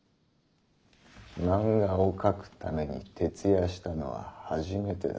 漫画を描くために徹夜したのは初めてだ。